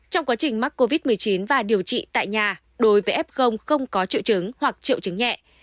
trong quá trình mắc covid một mươi chín và điều trị tại nhà đối với f không có triệu chứng hoặc triệu chứng nhẹ